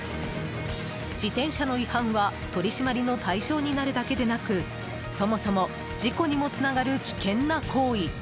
自転車の違反は、取り締まりの対象になるだけでなくそもそも事故にもつながる危険な行為。